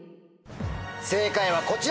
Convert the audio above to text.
正解はこちら。